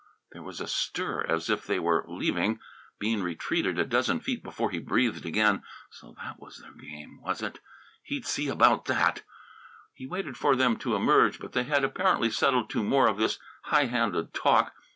There was a stir as if they were leaving. Bean retreated a dozen feet before he breathed again. So that was their game, was it? He'd see about that! He waited for them to emerge, but they had apparently settled to more of this high handed talk.